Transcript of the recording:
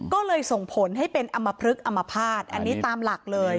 ก็เลยส่งผลให้เป็นอำมพลึกอมภาษณ์อันนี้ตามหลักเลย